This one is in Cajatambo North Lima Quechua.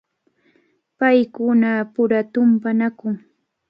Paykunapura tumpanakun.